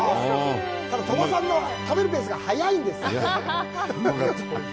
鳥羽さんの食べるペースが速いんです。